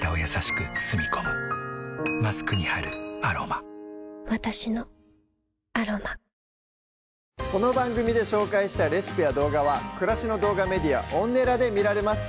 はいたっぷり１５０ｇはいこの番組で紹介したレシピや動画は暮らしの動画メディアＯｎｎｅｌａで見られます